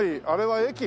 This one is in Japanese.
あれは駅？